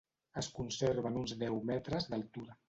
Es conserva en uns deu metres d'altura.